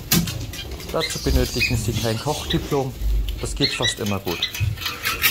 Dazu benötigen Sie kein Kochdiplom, das geht fast immer gut.